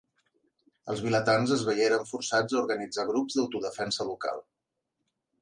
Els vilatans es veieren forçats a organitzar grups d'autodefensa local.